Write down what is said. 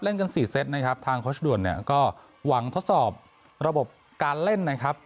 กันสี่เซตนะครับทางโค้ชด่วนเนี่ยก็หวังทดสอบระบบการเล่นนะครับ